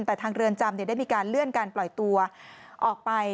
แต่ทางเรือนจำได้มีการเลื่อนการปล่อยตัวออกไป